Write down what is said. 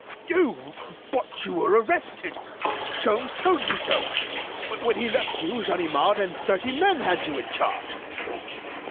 you! but you were arrested! Sholmes told me so. When he left you Ganimard and thirty men had you in charge."